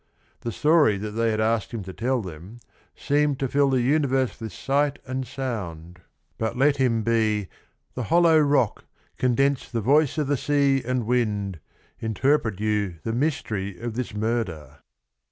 The story that they had asked him to tell them "seems to fill the universe with sight and sound," but let him be "the hollow rock, condense The voice o' the sea and wind, interpret you The mystery of this murder."